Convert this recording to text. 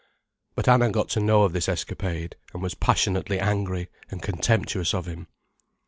But Anna got to know of this escapade, and was passionately angry and contemptuous of him.